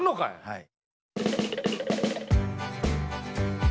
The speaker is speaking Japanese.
はい。